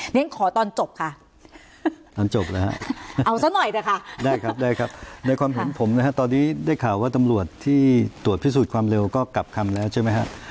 เรียนขอตอนจบค่ะตอนจบแล้วฮะเอาซะหน่อยเถอะค่ะได้ครับได้ครับในความเห็นผมนะฮะตอนนี้ได้ข่าวว่าตำรวจที่ตรวจพิสูจน์ความเร็วก็กลับคำแล้วใช่ไหมฮะ